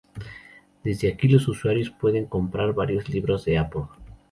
Desde aquí los usuarios pueden comprar varios libros de Apple.